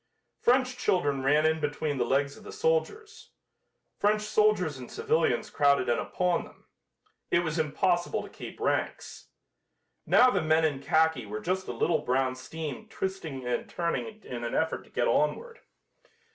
French children ran in between the legs of the soldiers. French soldiers and civilians crowded in upon them. It was impossible to keep ranks. Now the men in khaki were just a little brown stream twisting and turning in an effort to get onward.